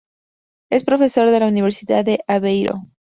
Es profesor de la Universidad de Aveiro.